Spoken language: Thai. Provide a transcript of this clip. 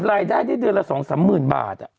รายได้นี่เดือนละ๒๓หมื่นบาทอะ